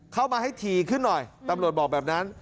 เข้ามาให้ถี่ขึ้นหน่อยตำรวจบอกแบบนั้น